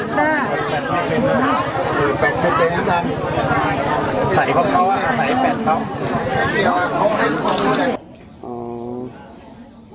ที่มีไทย